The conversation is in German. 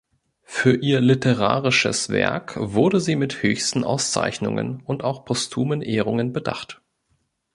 Für ihr literarisches Werk wurde sie mit höchsten Auszeichnungen und auch postumen Ehrungen bedacht.